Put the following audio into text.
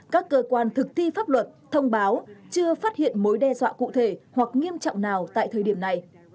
các cơ quan thực thi pháp luật thông báo chưa phát hiện mối đe dọa cụ thể hoặc nghiêm trọng nào tại thời điểm này